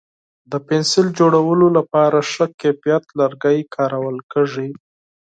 د پنسل جوړولو لپاره ښه کیفیت لرګی کارول کېږي.